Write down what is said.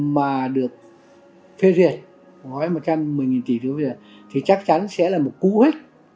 mà được phê duyệt gói một trăm mười nghìn tỷ thì chắc chắn sẽ là một cú huyết